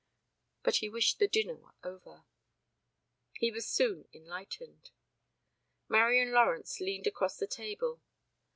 But he wished the dinner were over. He was soon enlightened. Marian Lawrence leaned across the table.